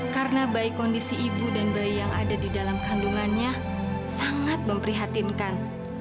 karena bayi kondisi ibu dan bayi yang ada di dalam kandungannya sangat memprihatinkan